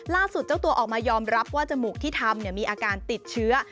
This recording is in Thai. เจ้าตัวออกมายอมรับว่าจมูกที่ทำมีอาการติดเชื้อ